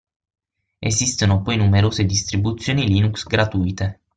Esistono poi numerose distribuzioni Linux gratuite.